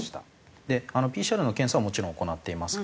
ＰＣＲの検査はもちろん行っています。